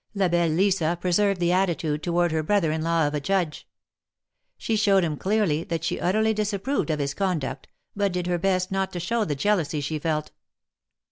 La belle Lisa preserved the attitude toward her brother in law of a judge. She showed him clearly that she utterly disapproved of his conduct^ but did her best not to show the jealousy she felt.